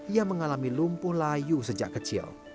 ia mengalami lumpuh layu sejak kecil